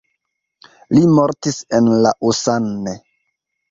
Li mortis en Lausanne.